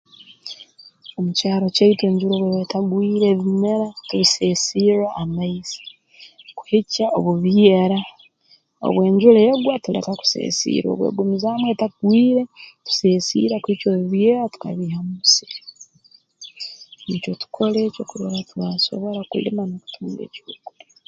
Omu kyaro kyaitu enjura obu eba etagwire ebimera tubisesirra amaizi kuhikya obu byera obu ejura egwa tuleka kuseesirra obu egumizaamu etagwire tuseesirra kuhikya obu byera tukabiiha mu musiri nikyo tukora ekyo kurora twasobora kulima n'okutunga eky'okulya